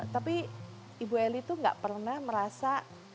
tapi ibu eli itu nggak pernah merasa